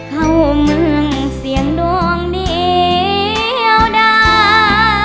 เข้าเมืองเสียงดวงเดียวดา